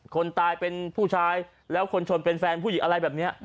คนตายเป็นผู้ชายแล้วคนชนเป็นแฟนผู้หญิงอะไรแบบนี้